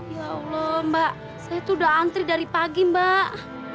ya allah mbak saya tuh udah antri dari pagi mbak